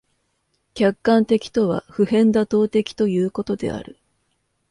客観的とは普遍妥当的ということである。